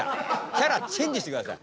キャラチェンジしてください。